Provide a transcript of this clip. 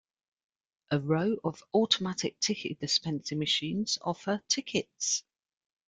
A row of automatic ticket dispensing machines offer tickets.